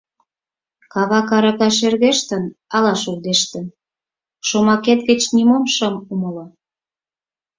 — Кавак арака шергештын але шулдештын, шомакет гыч нимом шым умыло.